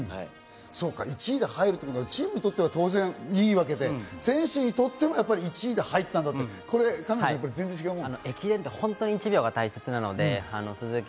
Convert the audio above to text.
１位で入るということはチームにとって当然いいわけで、選手にとっても１位で入ったんだと、神野さん、全然違いますか？